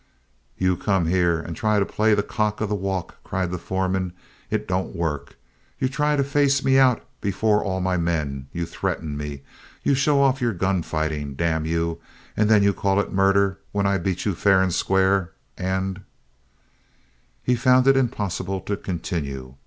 "You come here and try to play the cock of the walk," cried the foreman. "It don't work. You try to face me out before all my men. You threaten me. You show off your gun fighting, damn you, and then you call it murder when I beat you fair and square and " He found it impossible to continue.